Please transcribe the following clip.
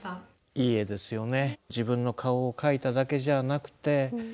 いい絵ですよね。